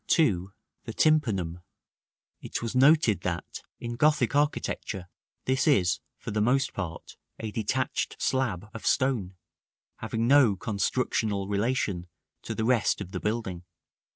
§ XI. (2.) The Tympanum. It was noted that, in Gothic architecture, this is for the most part a detached slab of stone, having no constructional relation to the rest of the building.